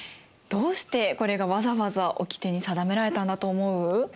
どうしてこれがわざわざおきてに定められたんだと思う？